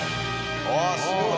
わあすごい！